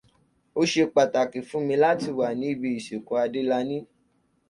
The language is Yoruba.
Ó ṣe pàtàkì fún mi láti wà níbi ìsìnkú Adélaní.